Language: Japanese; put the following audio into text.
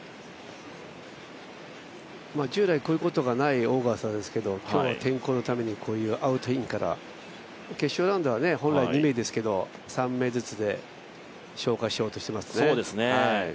従来、こういうことがないオーガスタですけれども、今日は天候のためにこういうアウトインから、決勝ラウンドは本来２名ですけれども、３名ずつで消化しようとしていますね。